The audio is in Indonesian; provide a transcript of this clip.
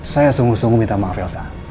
saya sungguh sungguh minta maaf elsa